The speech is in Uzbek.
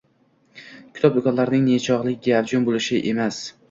kitob do‘konlarining nechog‘li gavjum bo‘lishi emas